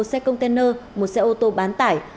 một xe container một xe ô tô bán tải